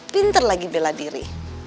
pinter lagi bela diri